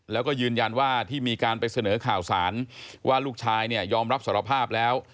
แล้วก็ยืนยันว่าที่มีการไปเสนอข่าวสารว่าลูกชายเนี่ยยอมรับสารภาพแล้ว